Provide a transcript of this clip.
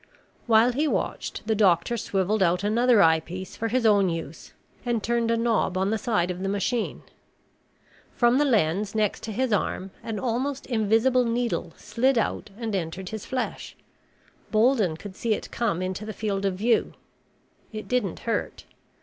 While he watched, the doctor swiveled out another eyepiece for his own use and turned a knob on the side of the machine. From the lens next to his arm an almost invisible needle slid out and entered his flesh. Bolden could see it come into the field of view. It didn't hurt.